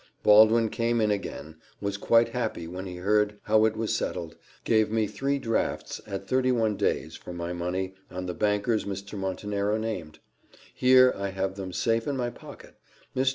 Baldwin came in again, was quite happy when he heard how it was settled, gave me three drafts at thirty one days for my money on the bankers Mr. Montenero named: here I have them safe in my pocket. Mr.